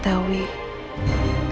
itu adalah kebenaranmu